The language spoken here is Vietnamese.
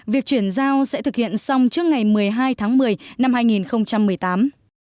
việc chuyển giao sẽ thực hiện xong trước ngày một mươi hai tháng một mươi năm hai nghìn một mươi tám